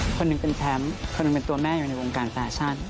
คนหนึ่งเป็นแชมป์คนหนึ่งเป็นตัวแม่อยู่ในวงการแฟชั่น